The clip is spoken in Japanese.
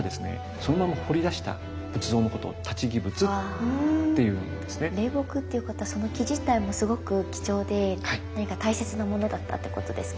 そのまま彫り出した仏像のことを霊木っていうことはその木自体もすごく貴重で何か大切なものだったってことですか？